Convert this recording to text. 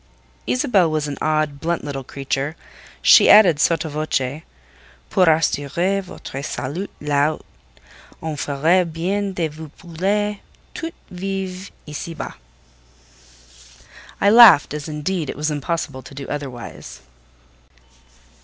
Isabelle was an odd, blunt little creature. She added, sotto voce: "Pour assurer votre salut là haut, on ferait bien de vous brûler toute vive ici bas." I laughed, as, indeed, it was impossible to do otherwise.